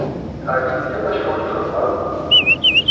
Ɛni yella wacu i txedmeḍ?